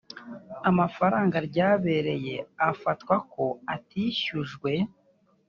amafaranga ryabereye afatwa ko atishyujwe .